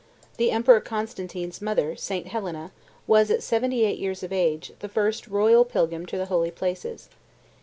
The Emperor Constantine's mother, St. Helena, was, at seventy eight years of age, the first royal pilgrim to the holy places.